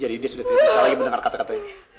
jadi dia sudah terpaksa lagi mendengar kata kata ini